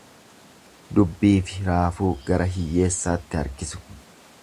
Dubbiifi raafuu gara hiyyeessaatti harkisu.